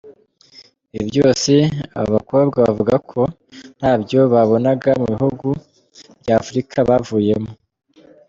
Ibi byose aba bakobwa bavuga ko ntabyo babonaga mu bihugu bya Afurika bavuyemo.